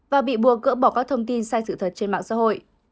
và bị buộc gỡ bỏ các thông tin sai sự thật trên mạng xã hội